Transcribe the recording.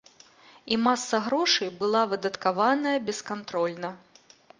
І маса грошай была выдаткаваная бескантрольна.